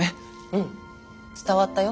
うん伝わったよ？